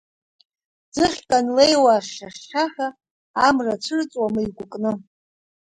Ӡыхьк анлеиуа ахьхьа-хьхьаҳәа, Амра цәырҵуама игәыкны.